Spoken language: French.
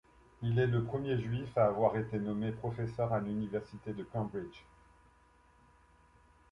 Il est le premier Juif à avoir été nommé professeur à l'Université de Cambridge.